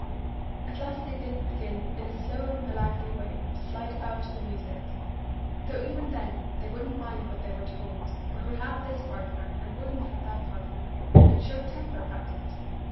At last they did begin in a slow and melancholy way to slide about to the music; though even then they wouldn't mind what they were told, but would have this partner, and wouldn't have that partner, and showed temper about it.